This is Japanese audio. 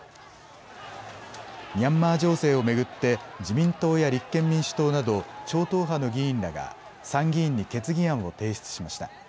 ミャンマー情勢を巡って自民党や立憲民主党など超党派の議員らが参議院に決議案を提出しました。